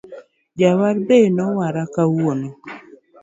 Jower be nower kawuono,.